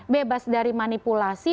bebas dari manipulasi